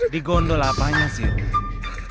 di gondol apanya sih